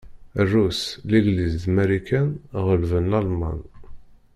Rrus, Legliz d Marikan ɣelben Lalman.